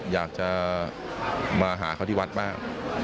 อยากจะมาหาเขาที่วัดบ้าง